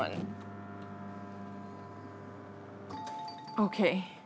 ＯＫ。